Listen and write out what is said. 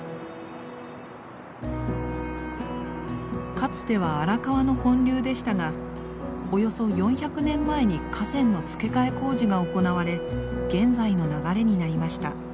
かつては荒川の本流でしたがおよそ４００年前に河川の付け替え工事が行われ現在の流れになりました。